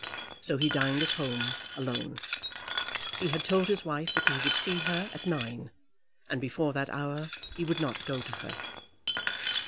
So he dined at home, alone. He had told his wife that he would see her at nine, and before that hour he would not go to her.